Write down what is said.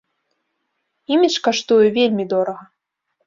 Імідж каштуе вельмі дорага.